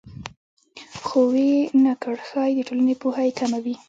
خو ویې نه کړ ښایي د ټولنې پوهه یې کمه وي